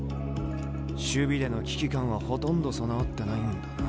守備での危機感はほとんど備わってないんだな。